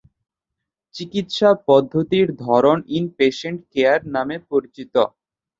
চিকিৎসা পদ্ধতির ধরন "ইন-পেশেন্ট কেয়ার" নামে পরিচিত।